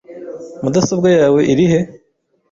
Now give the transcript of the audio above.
Mudasobwa yawe irihe?